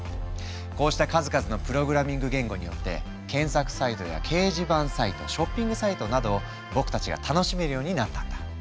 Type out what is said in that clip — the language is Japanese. こうした数々のプログラミング言語によって検索サイトや掲示板サイトショッピングサイトなどを僕たちが楽しめるようになったんだ。